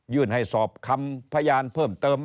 ให้สอบคำพยานเพิ่มเติม